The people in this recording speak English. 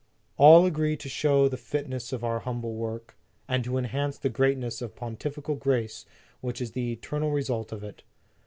All agree to show the fitness of our humble o work, and to enhance the greatness of the pontifical grace which is the eternal result of it.